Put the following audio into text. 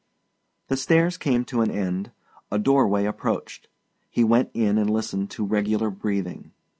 The stairs came to an end, a doorway approached; he went in and listened to regular breathing.